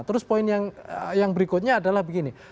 terus poin yang berikutnya adalah begini